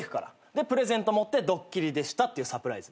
でプレゼント持ってドッキリでしたっていうサプライズ。